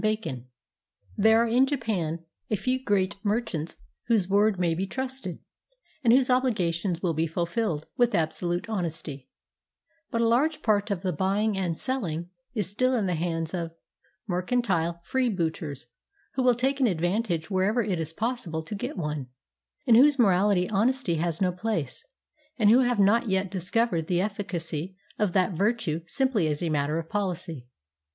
BACON There are in Japan a few great merchants whose word may be trusted, and whose obligations will be fulfilled with absolute honesty ; but a large part of the buying and selling is still in the hands of mercantile freebooters, who will take an advantage wherever it is possible to get one, in whose morality honesty has no place, and who have not yet discovered the efficacy of that virtue simply as a matter of policy.